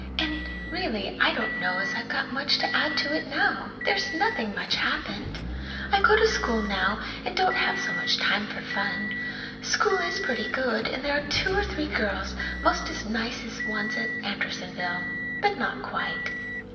And, really, I don't know as I've got much to add to it now. There's nothing much happened. I go to school now, and don't have so much time for fun. School is pretty good, and there are two or three girls 'most as nice as the ones at Andersonville. But not quite.